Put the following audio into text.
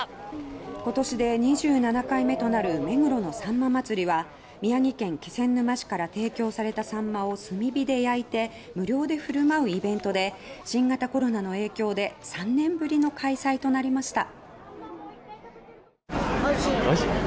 今年で２７回目となる目黒のさんま祭は宮城県気仙沼市から提供されたサンマを炭火で焼いて無料で振る舞うイベントで新型コロナの影響で３年ぶりの開催となりました。